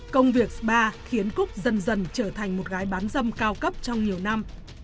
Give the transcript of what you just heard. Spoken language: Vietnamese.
công việc spa khiến cúc dần dần trở thành một gái bán dâm cao cấp trong nhiều năm